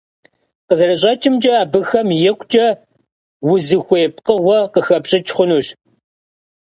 Khızerış'eç'ımç'e, abıxem yikhuç'e vuzıxuêy pkhığue khıxepş'ıç' xhunuş.